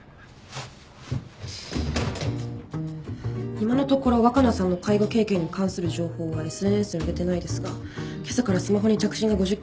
今のところ若菜さんの介護経験に関する情報はＳＮＳに出てないですがけさからスマホに着信が５０件以上ありました。